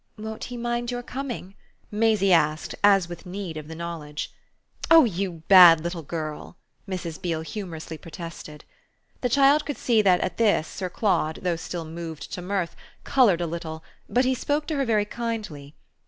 "Won't he mind your coming?" Maisie asked as with need of the knowledge. "Oh you bad little girl!" Mrs. Beale humorously protested. The child could see that at this Sir Claude, though still moved to mirth, coloured a little; but he spoke to her very kindly.